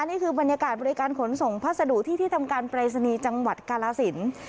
นี่คือบรรยากาศบริการขนส่งพัสดุที่ที่ทำการปรายศนีย์จังหวัดกาลสิน